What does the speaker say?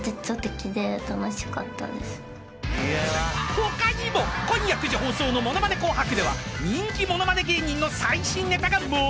［他にも今夜９時放送の『ものまね紅白』では人気ものまね芸人の最新ネタが盛りだくさん］